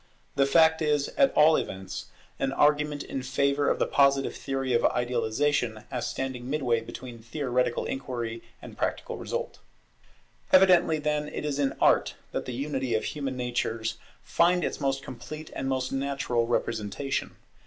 The fact is, at all events, an argument in favour of the Positive theory of idealization, as standing midway between theoretical inquiry and practical result. [Art calls each element of our nature into harmonious action] Evidently, then, it is in Art that the unity of human natures finds its most complete and most natural representation.